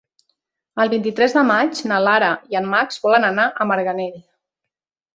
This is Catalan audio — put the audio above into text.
El vint-i-tres de maig na Lara i en Max volen anar a Marganell.